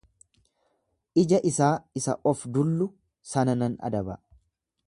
Ija isaa isa of-dullu sana nan adaba.